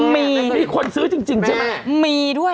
มีมีคนซื้อจริงใช่ไหมมีด้วย